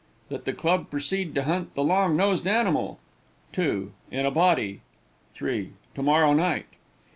That the club proceed to hunt the long nosed animal. 2. In a body. 3. To morrow night.